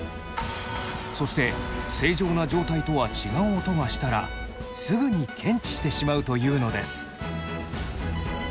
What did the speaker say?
そして正常な状態とは違う音がしたらすぐに検知してしまうというのです。